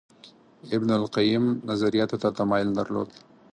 ابن القیم نظریاتو ته تمایل درلود